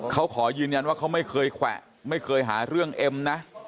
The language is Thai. เขาขอยืนยันว่าเขาไม่เคยแขวะไม่เคยหาเรื่องเอ็มนะ